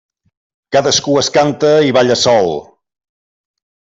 Cadascú es canta i balla sol.